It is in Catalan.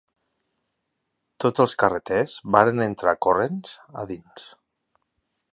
Tots els carreters varen entrar corrents a dins.